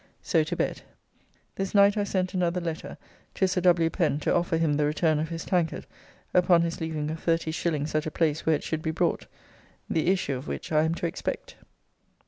So to bed. This night I sent another letter to Sir W. Pen to offer him the return of his tankard upon his leaving of 30s. at a place where it should be brought. The issue of which I am to expect.